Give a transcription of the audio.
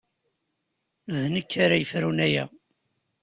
D nekk ara yefrun aya.